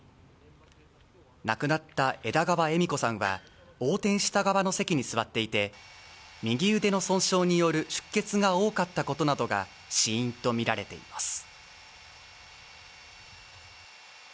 亡くなった枝川恵美子さんは横転した側の席に座っていて右腕の損傷による出血が多かったことなどが死因とみられています。